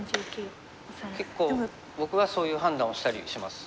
結構僕はそういう判断をしたりします。